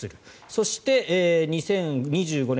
そして、２０２５年